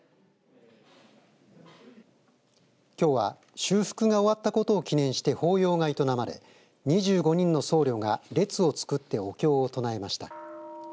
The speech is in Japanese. きょうは修復が終わったことを記念して法要が営まれ２５人の僧侶が列を作ってお経を唱えました。